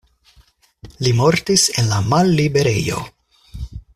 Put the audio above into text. Li mortis en la malliberejo.